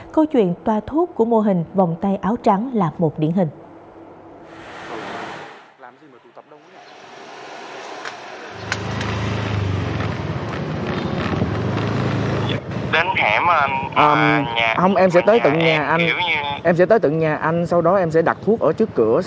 câu chuyện toa thuốc của mô hình vòng tay áo trắng là một điển hình